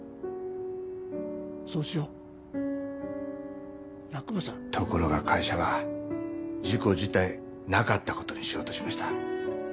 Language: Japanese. ⁉そうしようなぁ熊さんと事故自体なかったことにしようとしました。